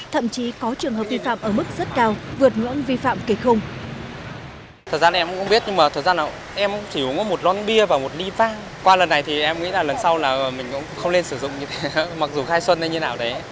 thậm chí có trường hợp vi phạm ở mức rất cao vượt ngưỡng vi phạm kịch khung